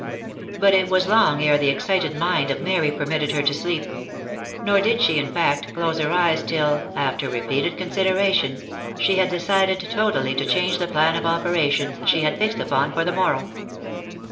But it was long ere the excited mind of Mary permitted her to sleep ; nor did she, in fact, close her eyes till, after repeated consideration, she had decided totally to change the plan of operations she had fixed upon for the morrow.